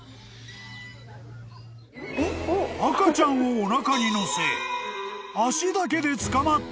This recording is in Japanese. ［赤ちゃんをおなかに乗せ］